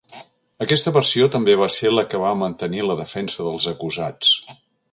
Aquesta versió també va ser la que va mantenir la defensa dels acusats.